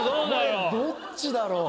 これどっちだろう。